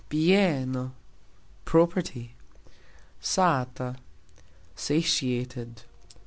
bieno : property. sata : satiated.